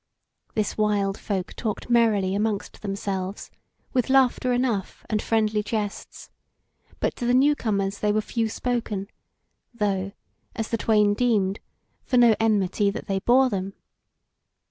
This wild folk talked merrily amongst themselves, with laughter enough and friendly jests, but to the new comers they were few spoken, though, as the twain deemed, for no enmity that they bore them.